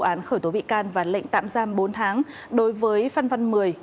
cơ quan an ninh điều tra công an khởi tố bị can và lệnh tạm giam bốn tháng đối với phan văn mười